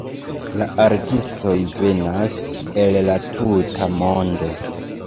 La artistoj venas el la tuta mondo.